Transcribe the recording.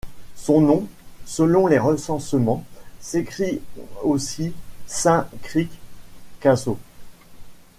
Son nom, selon les recensements, s'écrit aussi Saint Cricq Casaux.